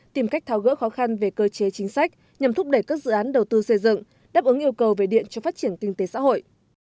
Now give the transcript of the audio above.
tìm cách tháo gỡ khó khăn về cơ chế chính sách nhằm thúc đẩy các dự án đầu tư xây dựng đáp ứng yêu cầu về điện cho phát triển kinh tế xã hội